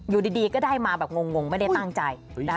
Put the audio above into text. อยู่ดีก็ได้มาแบบงงไม่ได้ตั้งใจ